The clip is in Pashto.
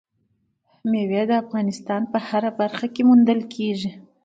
مېوې د افغانستان په هره برخه کې موندل کېږي.